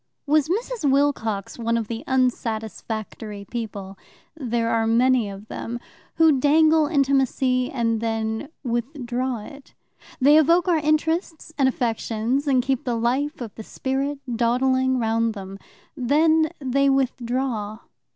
Was Mrs. Wilcox one of the unsatisfactory people there are many of them who dangle intimacy and then withdraw it? They evoke our interests and affections, and keep the life of the spirit dawdling round them. Then they withdraw.